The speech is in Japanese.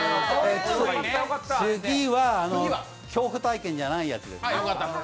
次は恐怖体験じゃないやつ。